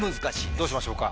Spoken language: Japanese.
どうしましょうか？